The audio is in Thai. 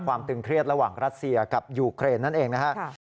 ตึงเครียดระหว่างรัสเซียกับยูเครนนั่นเองนะครับ